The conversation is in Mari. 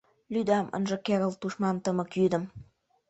Лӱдам, ынже керылт тушман тымык йӱдым...